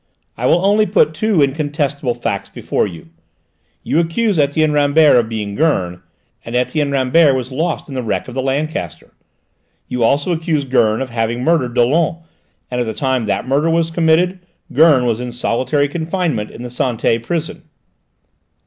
"I will only put two incontestable facts before you. You accuse Etienne Rambert of being Gurn, and Etienne Rambert was lost in the wreck of the Lancaster; you also accuse Gurn of having murdered Dollon, and at the time that murder was committed Gurn was in solitary confinement in the Santé prison."